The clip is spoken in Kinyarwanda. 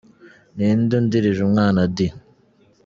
Ninde undirije umwana di?